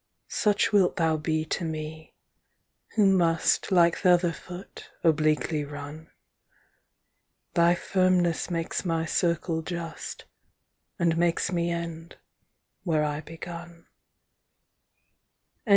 Such wilt thou be to mee, who must Like th'other foot, obliquely runne; Thy firmnes makes my circle just, And makes me end, where I begunne.